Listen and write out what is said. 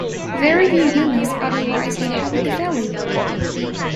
Very few humans otherwise inhabit the valley.